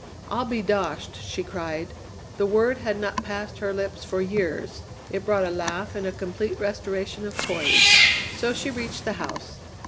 "I'll be doshed!" she cried. The word had not passed her lips for years; it brought a laugh and a complete restoration of poise. So she reached the house.